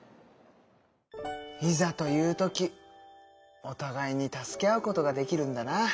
いざという時おたがいに助け合うことができるんだな。